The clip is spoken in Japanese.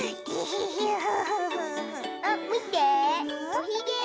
おひげ！